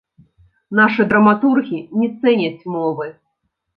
Нашы драматургі не цэняць мовы.